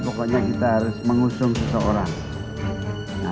pokoknya kita harus mengusung seseorang